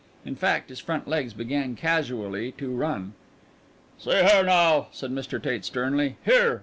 In fact, his front legs began casually to run. "See here now," said Mr. Tate sternly. "Here!